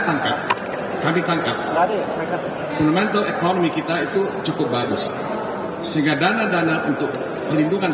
tangkap kami tangkap ada fundamental ekonomi kita itu cukup bagus sehingga dana dana untuk perlindungan